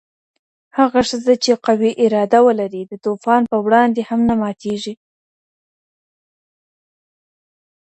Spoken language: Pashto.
هغه ښځه چې قوي اراده ولري، د طوفان پر وړاندې هم نه ماتېږي.